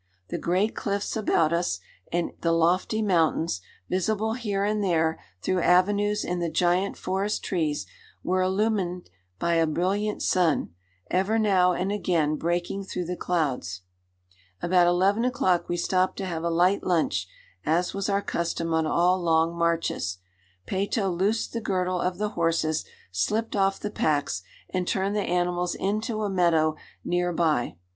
The great cliffs about us, and the lofty mountains, visible here and there through avenues in the giant forest trees, were illumined by a brilliant sun, ever now and again breaking through the clouds. About eleven o'clock we stopped to have a light lunch, as was our custom on all long marches. Peyto loosed the girdle of the horses, slipped off the packs, and turned the animals into a meadow near by.